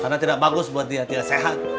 karena tidak bagus buat dia tidak sehat